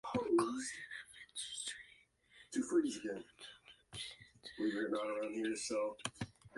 This includes workers in the electronics industry.